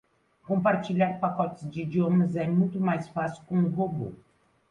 Compartilhar pacotes de idiomas é muito fácil com o robô.